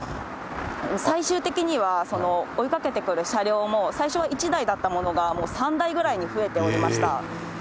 最終的には追いかけてくる車両も、最初は１台だったものが、もう３台ぐらいに増えておりました。